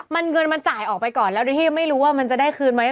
มันเงินมันจ่ายออกไปก่อนแล้วโดยที่ไม่รู้ว่ามันจะได้คืนไหม